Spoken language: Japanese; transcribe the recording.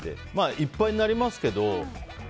いっぱいになりますけど。